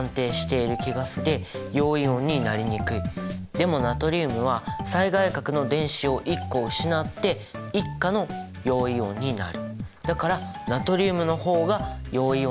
でもナトリウムは最外殻の電子を１個失って１価の陽イオンになる。